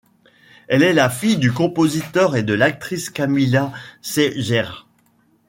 Elle est la fille du compositeur et de l'actrice Camilla Siegertsz.